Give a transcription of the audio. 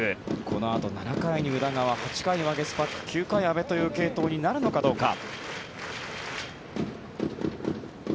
このあと７回に宇田川８回、ワゲスパック９回、阿部という継投になるのかどうか。